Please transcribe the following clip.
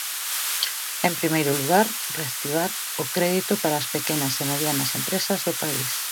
En primeiro lugar, reactivar o crédito para as pequenas e medianas empresas do país.